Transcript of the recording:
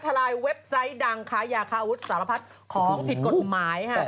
ลายเว็บไซต์ดังค้ายาคาวุธสารพัดของผิดกฎหมายค่ะ